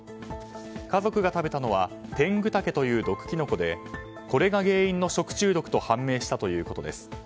家族が食べたのはテングタケという毒キノコでこれが原因の食中毒と判明したということです。